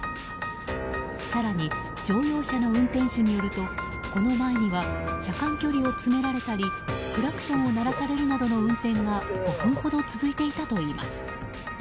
更に乗用車の運転手によるとこの前には車間距離を詰められたりクラクションを鳴らされるなどの運転が５分ほど続いていたといいます。